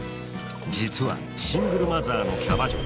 実はシングルマザーのキャバ嬢。